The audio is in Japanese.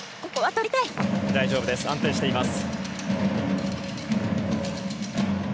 大丈夫です安定しています。